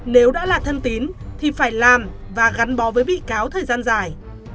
nếu đã là thân tín thì phải làm và gắn bó với bị cáo thời gian dài